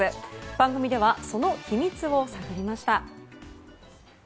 番組ではその秘密を探りました。